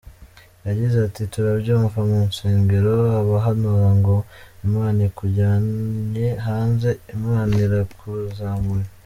Yagize ati “Turabyumva mu nsengero abahanura ngo Imana ikujyanye hanze, Imana irakuzamuye.